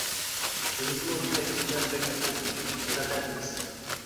دېمىسىمۇ يىپەك كىيىملەر بەك ئاسان كۆيىدۇ، بىخەتەر ئەمەس!